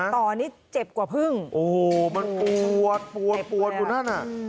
ตอนนี้เจ็บกว่าพึ่งโอ้โหมันปวดปวดปวนอยู่นั่นอ่ะ